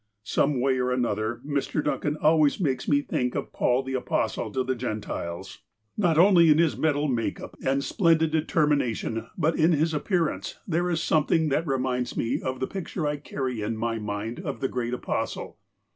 ;ic ^^ ii; ;K * Some way or another, Mr. Duncan always makes me think of Paul the Apostle to the Gentiles. sro THE APOSTLE OF ALASKA Not only in liis mental make up and splendid determi nation, but in his appearance, tliere is something that re minds me of the picture I carry in my mind of the great Apostle.